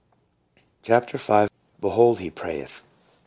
CHAPTER V. BEHOLD, HE PRA YETH.